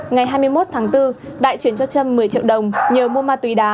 ngày hai mươi một tháng bốn đại chuyển cho trâm một mươi triệu đồng nhờ mua ma túy đá